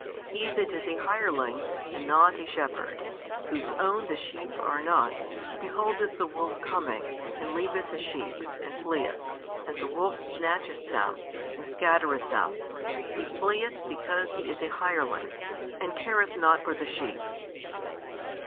He that is a hireling , and not a shepherd, whose own the sheep are not, beholdeth the wolf coming, and leaveth the sheep, and fleeth, and the wolf snatcheth them, and scattereth them: he fleeth because he is a hireling, and careth not for the sheep.